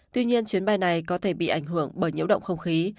tuy nhiên chuyến bay này có thể bị ảnh hưởng bởi nhiễu động không khí